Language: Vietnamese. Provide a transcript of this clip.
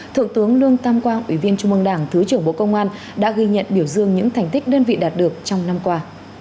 thượng tướng lương tam quang ủy viên trung mương đảng thứ trưởng bộ công an đã ghi nhận biểu dương những thành tích đơn vị đạt được trong năm qua